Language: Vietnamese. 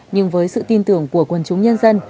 nhưng với sự tin tưởng của quân chúng nhân dân